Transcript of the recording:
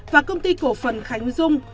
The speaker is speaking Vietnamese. và công ty cổ phần khánh dung